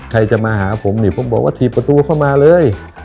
ใครจะมาหาผมนี่ผมบอกว่าถีบประตูเข้ามาเลย